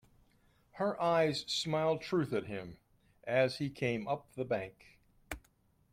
Her eyes smiled truth at him as he came up the bank.